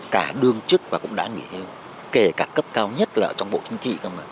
cả đương chức và cũng đã nghỉ hưu kể cả cấp cao nhất là trong bộ chính trị